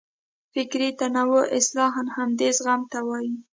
فکري تنوع اصلاً همدې زغم ته وایي.